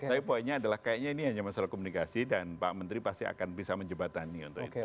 tapi poinnya adalah kayaknya ini hanya masalah komunikasi dan pak menteri pasti akan bisa menjebatani untuk itu